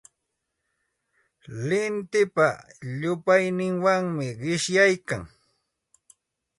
Lintipa llupayninwanmi qishyaykan.